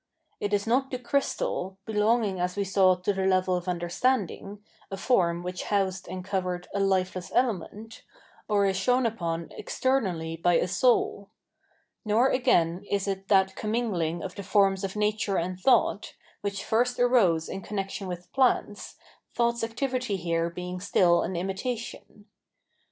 It is not the crystal, belong ing as we saw to the level of understanding, a form which housed and covered a lifeless element, or is shone upon externally by a soul. Nor, again, is it that com mingling of the forms of nature and thought, which first arose in connection with plants, thought's activity here being still an imitation.